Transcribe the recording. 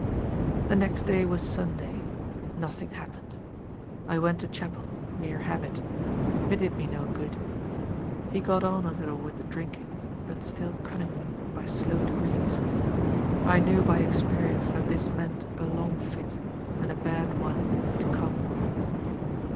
"The next day was Sunday. Nothing happened. I went to chapel. Mere habit. It did me no good. He got on a little with the drinking but still cunningly, by slow degrees. I knew by experience that this meant a long fit, and a bad one, to come.